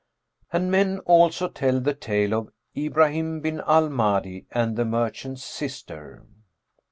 And men also tell the tale of IBRAHIM BIN AL MAHDI AND THE MERCHANT'S SISTER.